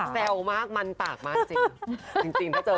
แซวมากมันปากมากจริงสจ้ะ